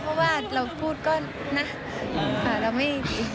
เพราะว่าเราพูดก็นะเราไม่ดี